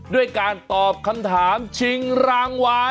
ด้วยการตอบคำถามชิงรางวัล